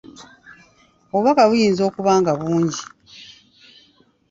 Obubaka buyinza okuba nga bungi.